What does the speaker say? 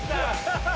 ハハハハ！